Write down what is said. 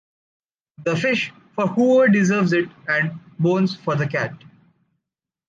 The fish for whoever deserves it, and the bones for the cat.